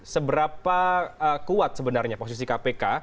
seberapa kuat sebenarnya posisi kpk